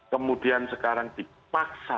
kemudian sekarang dipaksa